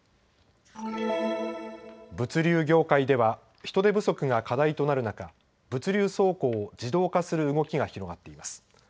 物流業界では人手不足が課題となる中、物流倉庫を自動化する動きが広がっています。